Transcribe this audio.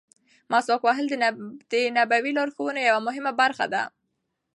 مسواک وهل د نبوي لارښوونو یوه مهمه برخه ده.